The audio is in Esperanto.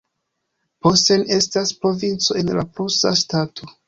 Posen estas provinco en la prusa ŝtato.